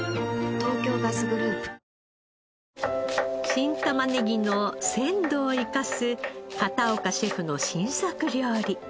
新玉ねぎの鮮度を生かす片岡シェフの新作料理。